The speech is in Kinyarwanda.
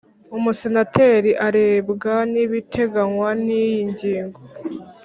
Umusenateri arebwa n’ibiteganywa n’iyi ngingo